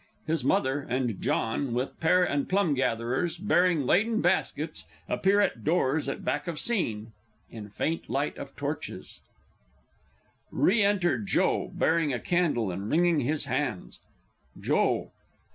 His Mother and_ JOHN, with Pear and Plum gatherers bearing laden baskets, appear at doors at back of Scene, in faint light of torches. [Illustration: The Demon!] Re enter JOE bearing a candle and wringing his hands. _Joe.